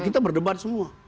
kita berdebat semua